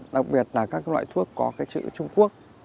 đặc biệt là các loại thuốc có chữ trung quốc